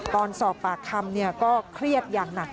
ตอนสอบปากคำก็เครียดอย่างหนัก